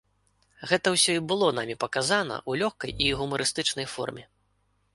Гэта ўсё і было намі паказана ў лёгкай і гумарыстычнай форме.